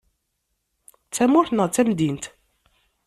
D tamurt neɣ d tamdint?